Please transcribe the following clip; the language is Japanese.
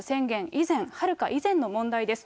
以前、はるか以前の問題です。